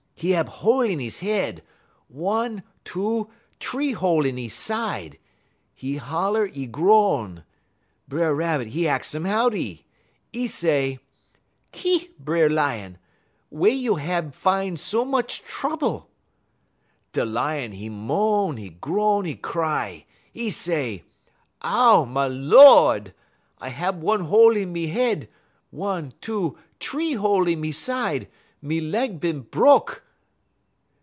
'E hab hole in 'e head, one, two, t'ree hole in 'e side; 'e holler, 'e groan. B'er Rabbit, 'e ahx um howdy. 'E say: "'Ki, B'er Lion, wey you hab fine so much trouble?' "Da Lion, 'e moan, 'e groan, 'e cry; 'e say: "'Ow, ma Lord! I hab one hole in me head, one, two, t'ree hole in me side, me leg bin bruk!'